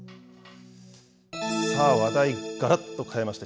さあ、話題、がらっと変えまして、